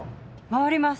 回ります。